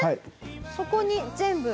そこに全部。